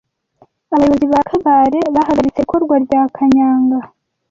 Abayobozi ba Kabale bahagaritse ikorwa rya kanyanga